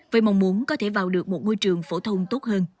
với mong muốn có thể vào được một ngôi trường phổ thông tốt hơn